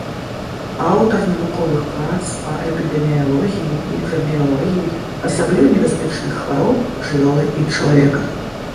Аўтар навуковых прац па эпідэміялогіі, мікрабіялогіі асабліва небяспечных хвароб жывёлы і чалавека.